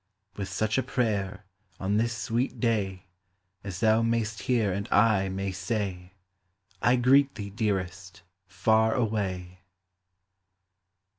With such a prayer, on this sweet day, As thou mayst hear and I may say, I greet thee, dearest, far away!